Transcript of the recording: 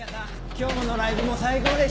今日のライブも最高でした！